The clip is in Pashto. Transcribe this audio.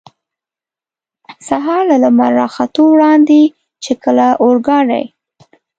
سهار له لمر را ختو وړاندې، چې کله اورګاډی.